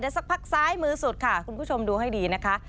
สักพักซ้ายมือสุดค่ะคุณผู้ชมดูให้ดีนะคะ